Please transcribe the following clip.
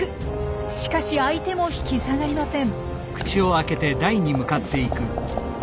しかし相手も引き下がりません。